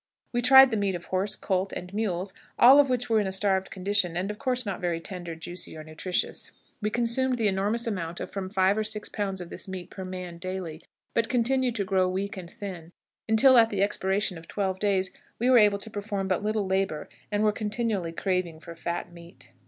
We tried the meat of horse, colt, and mules, all of which were in a starved condition, and of course not very tender, juicy, or nutritious. We consumed the enormous amount of from five to six pounds of this meat per man daily, but continued to grow weak and thin, until, at the expiration of twelve days, we were able to perform but little labor, and were continually craving for fat meat.